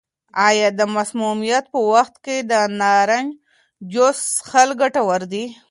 آیا د مسمومیت په وخت کې د نارنج جوس څښل ګټور دي؟